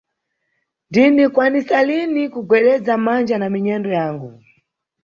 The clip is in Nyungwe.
Ndindikwanisa lini kugwededza manja na minyendo yangu.